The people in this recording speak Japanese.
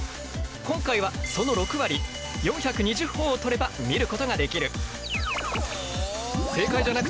今回はその６割４２０ほぉを取れば見ることができる。